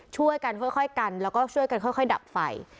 ช่วยกันค่อยกันแล้วก็ช่วยกันค่อยดับไฟ